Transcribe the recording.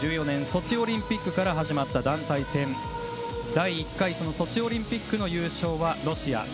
２０１４年ソチオリンピックから始まった団体戦、第１回ソチオリンピックの優勝はロシア。